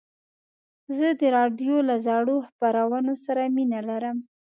زه د راډیو له زړو خپرونو سره مینه لرم.